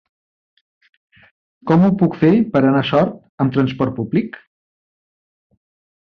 Com ho puc fer per anar a Sort amb trasport públic?